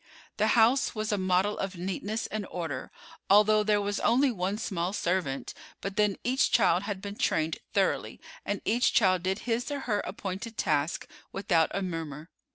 The house was a model of neatness and order, although there was only one small servant; but then each child had been trained thoroughly, and each child did his or her appointed task without a murmur.